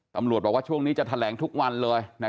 ตำรวจบอกว่าช่วงนี้จะแถลงทุกวันเลย